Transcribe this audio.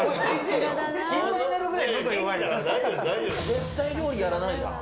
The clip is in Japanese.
絶対料理やらないじゃん。